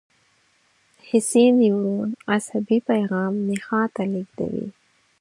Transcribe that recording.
حسي نیورون عصبي پیغام نخاع ته لېږدوي.